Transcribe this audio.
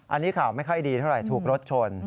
อันนี้ข่าวไม่ค่อยดีเท่าไหร่ถูกรถชน